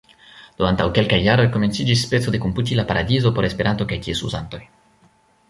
Do antaŭ kelkaj jaroj komenciĝis speco de komputila paradizo por Esperanto kaj ties uzantoj.